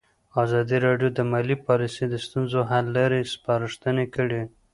ازادي راډیو د مالي پالیسي د ستونزو حل لارې سپارښتنې کړي.